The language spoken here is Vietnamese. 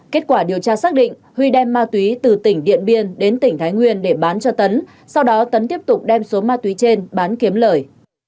kết quả điều tra xác định huy đem ma túy từ tỉnh điện biên đến tỉnh thái nguyên để bán cho tấn sau đó tấn tiếp tục đem số ma túy trên bán kiếm lời